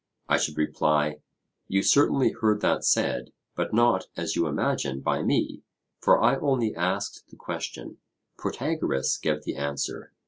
I should reply, 'You certainly heard that said, but not, as you imagine, by me; for I only asked the question; Protagoras gave the answer.'